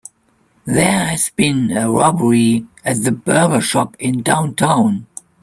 There has been a robbery at the burger shop in downtown.